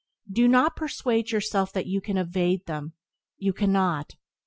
Do not persuade yourself that you can evade them; you cannot.